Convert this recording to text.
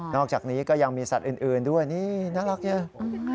อกจากนี้ก็ยังมีสัตว์อื่นด้วยนี่น่ารักเยอะ